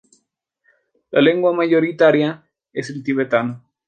La lengua mayoritaria es el tibetano.